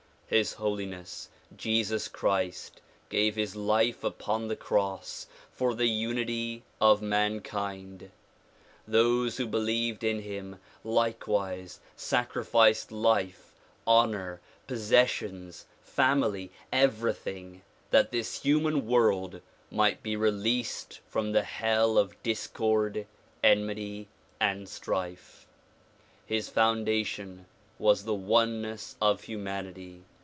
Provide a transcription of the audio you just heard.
His Holiness Jesus Christ gave his life upon the cross for the unity of mankind. Those who be lieved in him likewise sacrificed life, honor, possessions, family, everything, that this human world might be released from the hell of discord, enmity and strife. His foundation was the oneness of humanity.